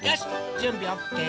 じゅんびオッケー！